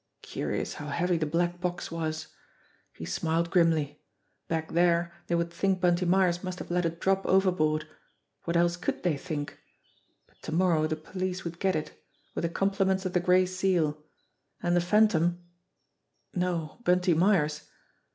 Curious, how heavy the black box was ! He smiled grimly. Back there they would think Bunty Myers must have let it drop overboard. What else could they think? But to morrow the police would get it with the compliments of the Gray Seal. And the Phantom no, Bunty Myers